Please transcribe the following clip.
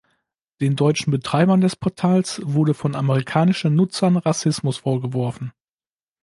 Den deutschen Betreibern des Portals wurde von amerikanischen Nutzern Rassismus vorgeworfen.